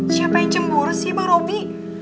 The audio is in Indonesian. siapa yang cemburu sih bang roby